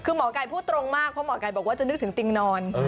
คือหมอไก่พูดตรงมากเพราะหมอไก่บอกว่าจะนึกถึงติงนอน